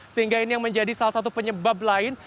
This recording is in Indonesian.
sehingga ini yang menjadi salah satu penyebab lain